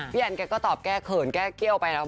แอนแกก็ตอบแก้เขินแก้เกี้ยวไปแล้ว